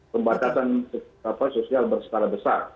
pembatasan sosial berskala besar